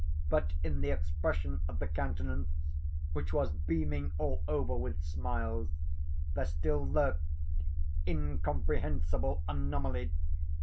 But in the expression of the countenance, which was beaming all over with smiles, there still lurked (incomprehensible anomaly!)